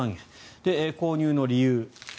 購入の理由。